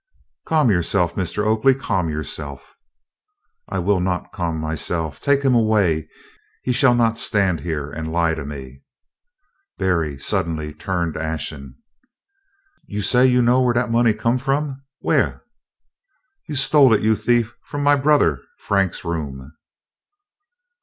"Calm yourself, Mr. Oakley, calm yourself." "I will not calm myself. Take him away. He shall not stand here and lie to me." Berry had suddenly turned ashen. "You say you know whaih dat money come f'om? Whaih?" "You stole it, you thief, from my brother Frank's room."